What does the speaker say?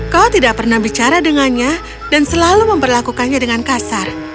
kau tidak pernah bicara dengannya dan selalu memperlakukannya dengan kasar